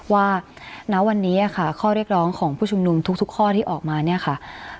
ณวันนี้ค่ะข้อเรียกร้องของผู้ชุมนุมทุกข้อที่ออกมาเนี่ยค่ะ